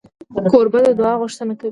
کوربه د دعا غوښتنه کوي.